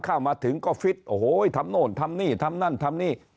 เข้ามาถึงก็ฟิตโอ้โหทำโน่นทำนี่ทำนั่นทำนี่